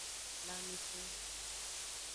Lanmese.